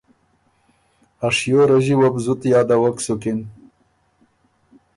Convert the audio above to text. ا شیو رݫی وه بو زُت یادوک سُکِن